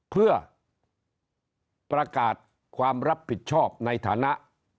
เพื่อประกาศความรับผิดชอบในฐานะ